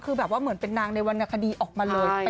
คือแบบว่าเหมือนเป็นนางในวรรณคดีออกมาเลย